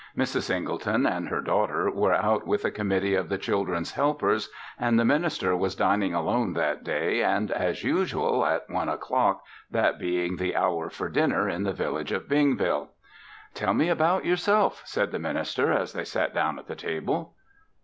Mrs. Singleton and her daughter were out with a committee of the Children's Helpers and the minister was dining alone that day and, as usual, at one o'clock, that being the hour for dinner in the village of Bingville. "Tell me about yourself," said the minister as they sat down at the table.